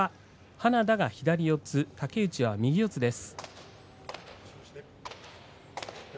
花田が左四つ、竹内は右四つです。